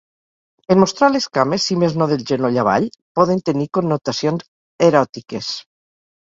En mostrar les cames, si més no del genoll avall, poden tenir connotacions eròtiques.